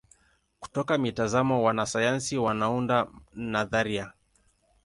Kutoka mitazamo wanasayansi wanaunda nadharia.